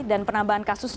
dan penambahan kasus